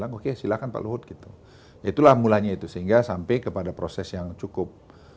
oke silakan pak luhut gitu itulah mulanya itu sehingga sampai kepada proses yang cukup